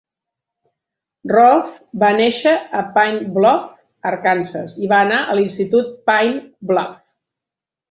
Roaf va néixer a Pine Bluff, Arkansas, i va anar a l'institut Pine Bluff.